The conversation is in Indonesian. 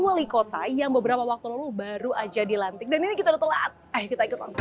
wali kota yang beberapa waktu lalu baru aja dilantik dan ini kita udah telat ayo kita ikut langsung